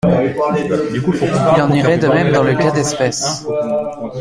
Il en irait de même dans le cas d’espèce.